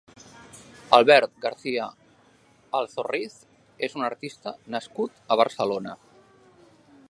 Albert García-Alzorriz és un artista nascut a Barcelona.